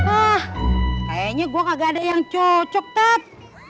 ah kayaknya gue nggak ada yang cocok pat